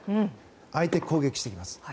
相手が攻撃してきます。